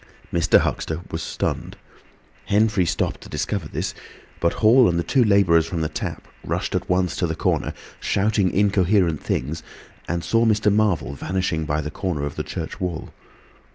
Mr. Huxter was stunned. Henfrey stopped to discover this, but Hall and the two labourers from the Tap rushed at once to the corner, shouting incoherent things, and saw Mr. Marvel vanishing by the corner of the church wall.